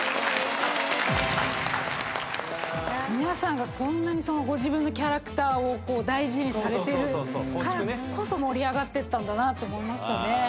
皆さんがこんなにご自分のキャラクターを大事にされてるからこそ盛り上がってったんだなと思いましたね。